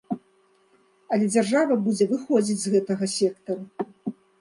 Але дзяржава будзе выходзіць з гэтага сектару.